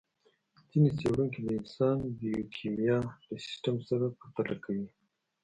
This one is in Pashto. ځينې څېړونکي د انسان بیوکیمیا له سیستم سره پرتله کوي.